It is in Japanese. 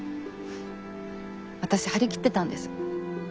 私張り切ってたんです。